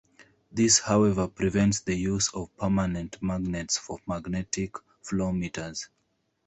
This however prevents the use of permanent magnets for magnetic flowmeters.